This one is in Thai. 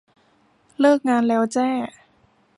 เลิกงานแล้วแจ้